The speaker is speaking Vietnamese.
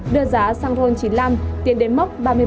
đưa giá xăng rôn chín mươi năm tiền đến mốc ba mươi ba đồng một lít